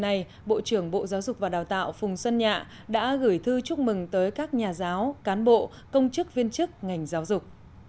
hôm nay bộ trưởng bộ giáo dục và đào tạo phùng xuân nhạ đã gửi thư chúc mừng tới các nhà giáo cán bộ công chức viên chức ngành giáo dục